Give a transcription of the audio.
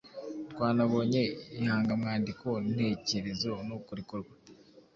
twanabonye ihangamwandiko ntekerezo nuko rikorwa.